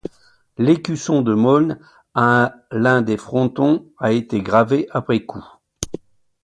L'écusson de Meaulne à l'un des frontons a été gravé après coup.